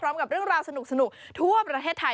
พร้อมกับเรื่องราวสนุกทั่วประเทศไทย